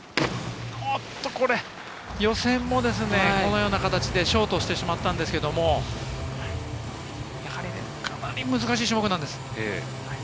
おっと、予選でこのような形でショートしてしまったんですけれども、かなり難しい種目なんです。